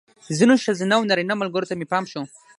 ځینو ښځینه او نارینه ملګرو ته مې پام شو.